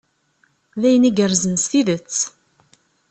D ayen igerrzen s tidet.